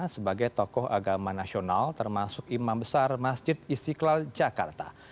sebagai tokoh agama nasional termasuk imam besar masjid istiqlal jakarta